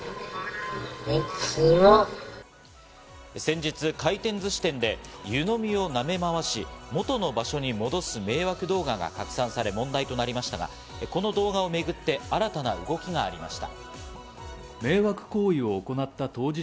先日、回転寿司店で湯のみをなめまわし、元の場所に戻す迷惑動画が拡散され、問題となりましたが、この動画をめぐって新たな動きがありました。